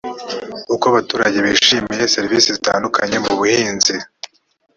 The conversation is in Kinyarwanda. uko abaturage bishimiye serivisi zitandukanye mu buhinzi